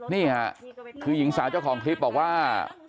นี่ค่ะคือหญิงสาวเจ้าของคลิปบอกว่า